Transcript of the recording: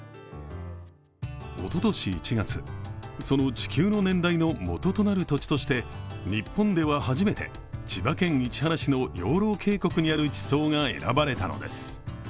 おととし１月、その地球の年代の元となる土地として日本では初めて千葉県市原市の養老渓谷にある地層が選ばれたのです。